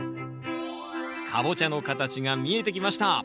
カボチャの形が見えてきました